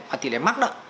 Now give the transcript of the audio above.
ở tỷ lệ mắc